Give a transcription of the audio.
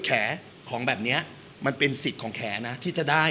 ของแบบนี้มันเป็นสิทธิ์ของแขะแบบนี้น้ำที่จะได้